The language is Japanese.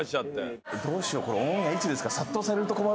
どうしようこれ。